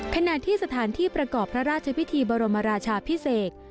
ขณะที่สถานที่ประกอบพระราชพิธีบรมราชาพิเศษ